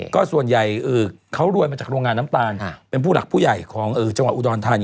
ก็ส่วนใหญ่เขารวยมาจากโรงงานน้ำตาลเป็นผู้หลักผู้ใหญ่ของจังหวัดอุดรธานี